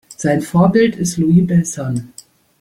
Sein Vorbild ist Louie Bellson.